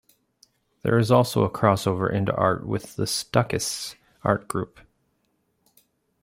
There is also a crossover into art with the Stuckists art group.